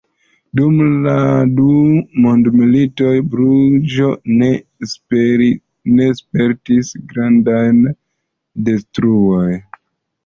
Dum la du mondmilitoj Bruĝo ne spertis grandajn detruojn.